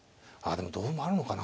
でも同歩もあるのかな。